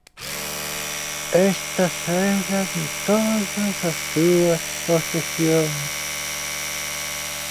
Estas eran todas as súas posesións.